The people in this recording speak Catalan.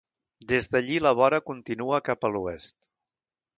Des d'allí la vora continua cap a l'oest.